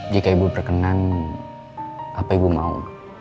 jika ibu berkenan apa ibu mau